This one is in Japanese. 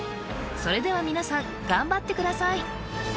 それでは皆さん頑張ってください